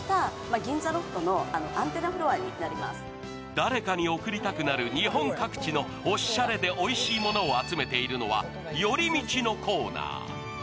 誰かに贈りたくなる日本各地のおしゃれでおいしいものを集めているのは寄り道のコーナー。